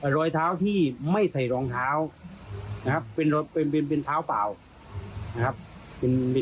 รอยเท้าที่ไม่ใส่รองเท้านะครับเป็นเป็นเท้าเปล่านะครับ